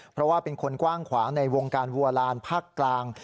เพราะว่าเป็นคนกว้างขวางในวงการวัวลานภาคกลาง